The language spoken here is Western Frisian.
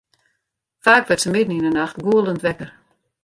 Faak wurdt se midden yn 'e nacht gûlend wekker.